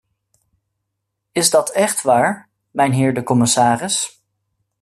Is dat echt waar, mijnheer de commissaris?